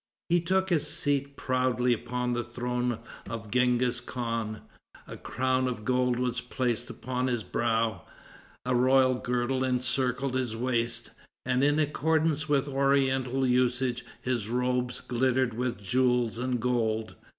He took his seat proudly upon the throne of Genghis Khan, a crown of gold was placed upon his brow, a royal girdle encircled his waist, and in accordance with oriental usage his robes glittered with jewels and gold.